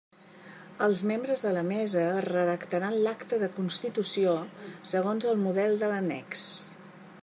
Els membres de la mesa redactaran l'acta de constitució segons el model de l'annex.